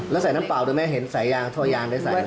แล้วใส่น้ำเปล่าตัวแม่เห็นสายยางทรอยางได้ใส่เลย